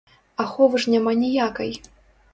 Аховы ж няма ніякай.